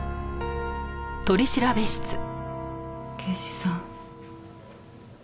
刑事さん。